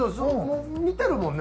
見てるもんね